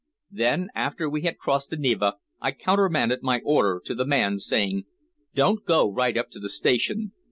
Then, after we had crossed the Neva, I countermanded my order to the man, saying "Don't go right up to the station.